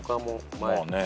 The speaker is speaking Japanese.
まあね。